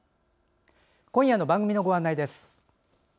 今夜の番組のご案内です。